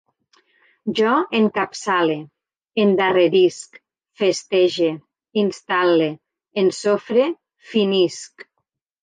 Jo encapçale, endarrerisc, festege, instal·le, ensofre, finisc